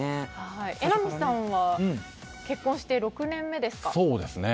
榎並さんは結婚して６年目ですか。